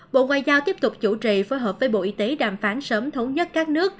bộ ngoại giao tiếp tục chủ trì phối hợp với bộ y tế đàm phán sớm thống nhất các nước